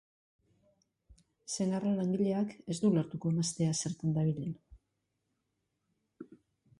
Senarra langileak ez du ulertuko emaztea zertan dabilen.